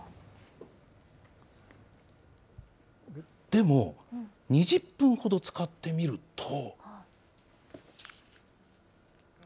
でも、２０分ほど使ってみると。